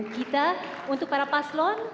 kita untuk para paslon